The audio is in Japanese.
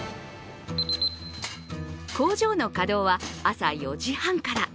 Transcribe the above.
工場の稼働は朝４時半から。